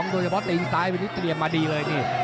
โดยเฉพาะตีนซ้ายวันนี้เตรียมมาดีเลยนี่